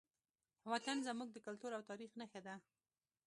وطن زموږ د کلتور او تاریخ نښه ده.